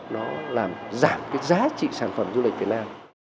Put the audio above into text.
nó làm giảm cái giá trị sản phẩm du lịch việt nam